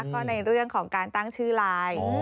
ก็ในเรื่องของการตั้งชื่อไลน์